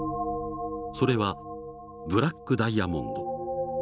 それはブラックダイヤモンド。